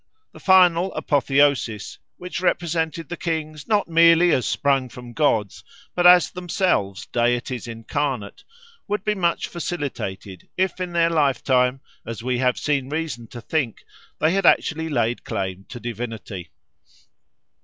The final apotheosis, which represented the kings not merely as sprung from gods but as themselves deities incarnate, would be much facilitated if in their lifetime, as we have seen reason to think, they had actually laid claim to divinity.